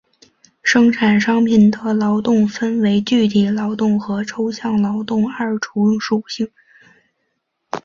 生产商品的劳动分为具体劳动和抽象劳动二重属性。